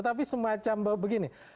tapi semacam begini